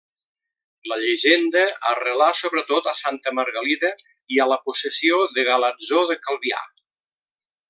La llegenda arrelà sobretot a Santa Margalida i a la possessió de Galatzó de Calvià.